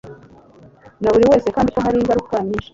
na buri wese kandi ko hari ingaruka nyinshi